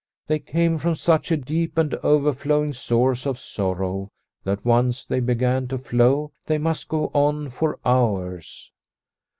They came from such a deep and overflowing source of sorrow that once they began to flow they must go on for hours.